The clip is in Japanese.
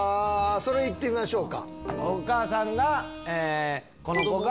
それ行ってみましょうか。